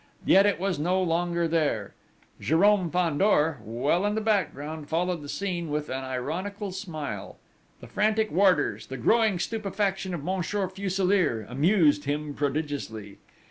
Yet it was no longer there! Jérôme Fandor, well in the background, followed the scene with an ironical smile. The frantic warders, the growing stupefaction of Monsieur Fuselier, amused him prodigiously.